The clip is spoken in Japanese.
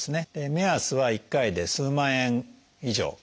目安は１回で数万円以上かかります。